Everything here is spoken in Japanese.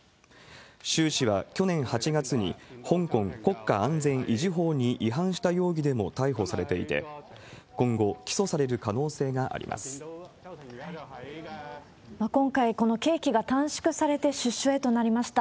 周氏は去年８月に香港国家安全維持法に違反した容疑でも逮捕されていて、今後、今回、この刑期が短縮されて出所へとなりました。